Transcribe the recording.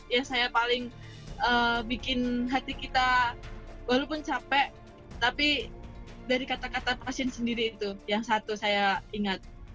ya saya paling bikin hati kita walaupun capek tapi dari kata kata pasien sendiri itu yang satu saya ingat